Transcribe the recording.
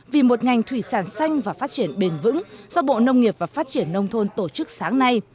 vì một ngành thủy sản xanh và phát triển bền vững do bộ nông nghiệp và phát triển nông thôn tổ chức sáng nay